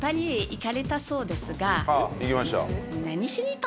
行きました。